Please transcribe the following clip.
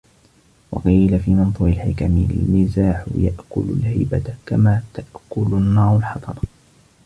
وَقِيلَ فِي مَنْثُورِ الْحِكَمِ الْمِزَاحُ يَأْكُلُ الْهَيْبَةَ كَمَا تَأْكُلُ النَّارُ الْحَطَبَ